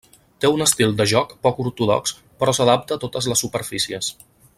Té un estil de joc poc ortodox però s'adapta a totes les superfícies.